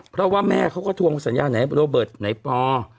เพราะว่าแม่ก็ทวงสัญญาในรถเบิร์ตในป็อร์